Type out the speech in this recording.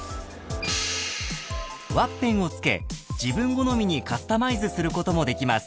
［ワッペンを付け自分好みにカスタマイズすることもできます］